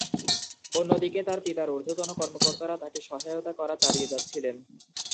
অন্যদিকে তার পিতার ঊর্ধ্বতন কর্মকর্তারা তাকে সহায়তা করা চালিয়ে যাচ্ছিলেন।